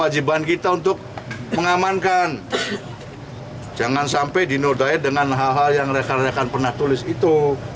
jangan sampai dinodai dengan hal hal yang rekan rekan pernah tulis itu